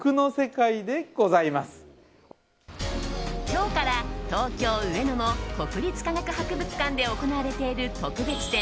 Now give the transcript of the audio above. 今日から東京・上野の国立科学博物館で行われている特別展